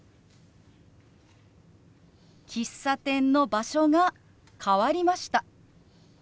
「喫茶店の場所が変わりました」。